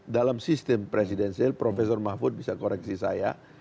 dalam sistem presidensil prof mahfud bisa koreksi saya